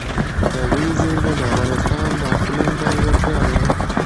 طبیعي زیرمې د افغانستان د اقلیم ځانګړتیا ده.